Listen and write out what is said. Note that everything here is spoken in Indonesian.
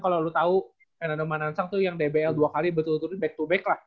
kalau lo tauna manansang tuh yang dbl dua kali betul betul back to back lah